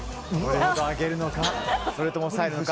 上げるのかそれとも抑えるか。